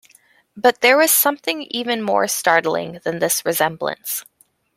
But there was something even more startling than this resemblance.